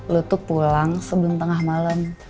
lo tuh pulang sebelum tengah malam